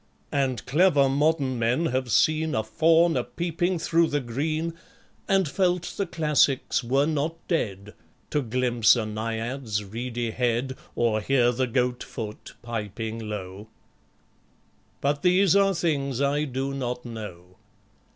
And clever modern men have seen A Faun a peeping through the green, And felt the Classics were not dead, To glimpse a Naiad's reedy head, Or hear the Goat foot piping low: ... But these are things I do not know.